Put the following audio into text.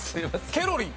ケロリン。